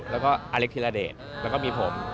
แล้วก็อเล็กธิระเดชแล้วก็มีผม